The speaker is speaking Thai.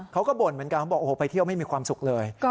บ่นเหมือนกันเขาบอกโอ้โหไปเที่ยวไม่มีความสุขเลย